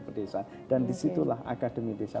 perdesaan dan disitulah akademi desa